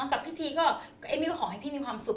กับพิธีก็เอมมี่ก็ขอให้พี่มีความสุข